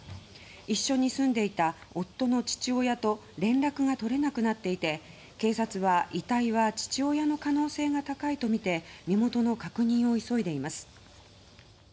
一緒に住んでいた夫の父親と連絡が取れなくなっていて警察は遺体は父親の可能性が高いとみて身元の確認を急いでいます。